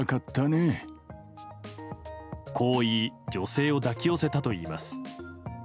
こう言い女性を抱き寄せたといいます。